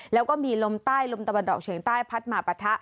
แล้วก็มีลมใต้ลมตะวันออกเฉียงใต้พัดมาปะทะ